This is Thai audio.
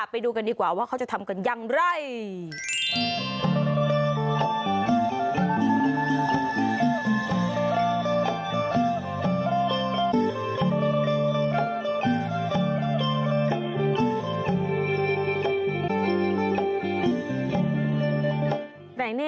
ไปดูกันดีกว่าว่าเขาจะทำกันอย่างไร